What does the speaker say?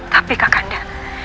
tapi kak kanda